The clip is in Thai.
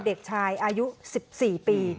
เด็กชายอายุสิบสี่ปี